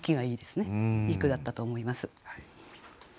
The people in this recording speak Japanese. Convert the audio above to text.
いい句だったと思います。